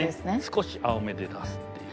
少し青めで出すっていう。